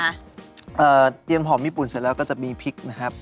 เตรียมหอมญี่ปุ่นเสร็จแล้วก็จะมีพริกนะครับ